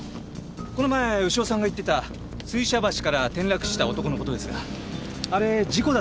この前牛尾さんが言ってた水車橋から転落した男の事ですがあれ事故だったそうです。